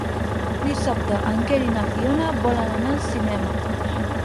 Dissabte en Quer i na Fiona volen anar al cinema.